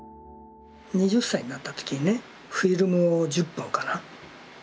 ２０歳になった時にねフィルムを１０本かな